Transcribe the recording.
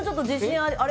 あれ？